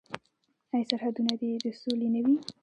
آیا سرحدونه دې د سولې نه وي؟